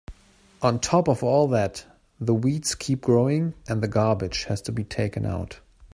On top of all that, the weeds keep growing and the garbage has to be taken out.